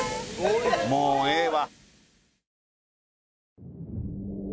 もうええわ。